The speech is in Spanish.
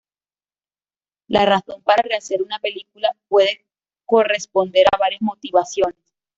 La razón para rehacer una película puede corresponder a varias motivaciones.